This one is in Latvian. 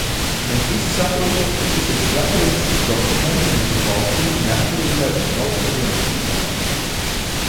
Mēs visi saprotam, ka šis ir stratēģisks dokuments mūsu valstij, neatkarībai un tautas vienotībai.